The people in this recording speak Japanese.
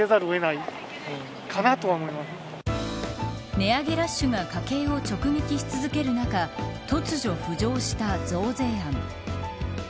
値上げラッシュが家計を直撃し続ける中突如、浮上した増税案。